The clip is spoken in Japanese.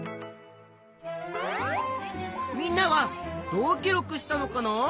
みんなはどう記録したのかな？